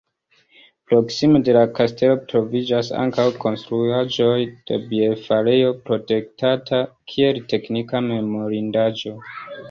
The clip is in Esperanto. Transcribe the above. Proksime de la kastelo troviĝas ankaŭ konstruaĵoj de bierfarejo, protektata kiel teknika memorindaĵo.